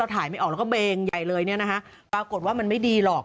ถ่ายไม่ออกแล้วก็เบงใหญ่เลยเนี่ยนะฮะปรากฏว่ามันไม่ดีหรอก